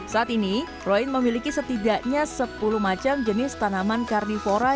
saat ini roin memiliki setidaknya sepuluh macam jenis tanaman karnivora